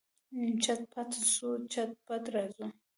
چټ پټ ځو، چټ پټ راځو.